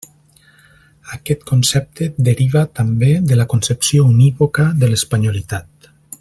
Aquest concepte deriva també de la concepció unívoca de l'espanyolitat.